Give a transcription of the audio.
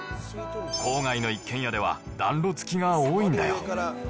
郊外の一軒家では暖炉付きが多いんだよ。